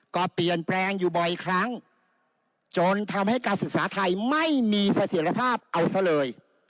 ก็เปลี่ยนแปลงอยู่บ่อยครั้งจนทำให้การศึกษาไทยไม่มีเสถียรภาพเอาซะเลย